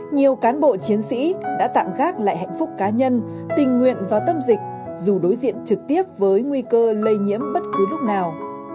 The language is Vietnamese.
nhiều cán bộ chiến sĩ đã tạm gác lại hạnh phúc cá nhân tình nguyện vào tâm dịch dù đối diện trực tiếp với nguy cơ lây nhiễm bất cứ lúc nào